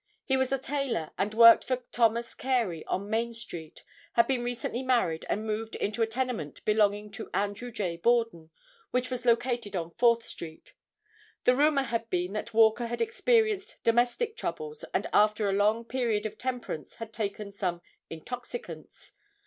He was a tailor and worked for Thomas Carey on Main street, had been recently married and moved into a tenement belonging to Andrew J. Borden, which was located on Fourth street. The rumor had been that Walker had experienced domestic troubles and after a long period of temperance had taken some intoxicants.